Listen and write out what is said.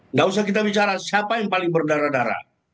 nggak usah kita bicara siapa yang paling berdarah darah